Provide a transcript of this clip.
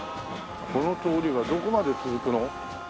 この通りはどこまで続くの？